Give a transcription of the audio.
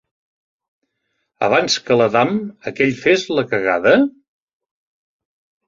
Abans que l'Adam aquell fes la cagada?